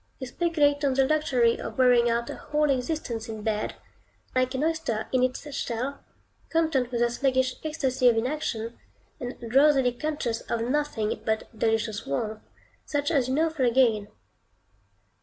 You speculate on the luxury of wearing out a whole existence in bed, like an oyster in its shell, content with the sluggish ecstasy of inaction, and drowsily conscious of nothing but delicious warmth, such as you now feel again.